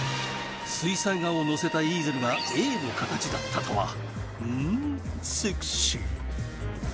水彩画を乗せたイーゼルがＡの形だったとはうんセクシー